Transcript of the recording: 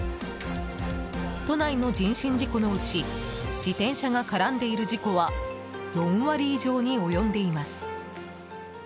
都内の人身事故のうち自転車が絡んでいる事故は４割以上に及んでいます。